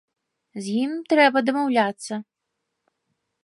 З ім трэба дамаўляцца.